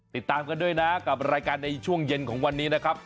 ติดตามกันด้วยนะกับรายการในช่วงเย็นของวันนี้นะครับ